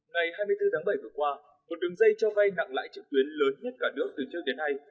ngày hai mươi bốn tháng bảy vừa qua một đường dây cho vay nặng lãi trực tuyến lớn nhất cả nước từ trước đến nay